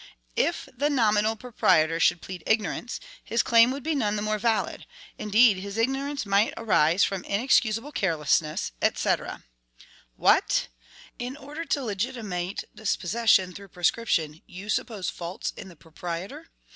"If the nominal proprietor should plead ignorance, his claim would be none the more valid. Indeed, his ignorance might arise from inexcusable carelessness, etc." What! in order to legitimate dispossession through prescription, you suppose faults in the proprietor!